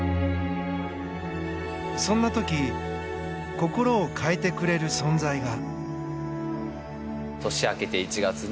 そんな時心を変えてくれる存在が。